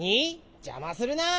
じゃまするな！